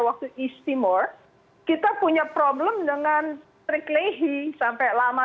waktu east timor kita punya problem dengan patrick leahy sampai lama